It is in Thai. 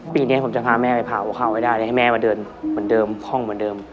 ปีนี้ผมจะพาแม่ไปเผาข้าวให้ได้เลยให้แม่มาเดินเหมือนเดิมห้องเหมือนเดิม